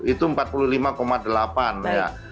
itu empat puluh lima delapan ya